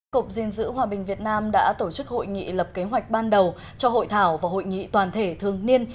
cộng diện giữ hòa bình việt nam đã tổ chức hội nghị lập kế hoạch ban đầu cho hội thảo và hội nghị toàn thể thường niên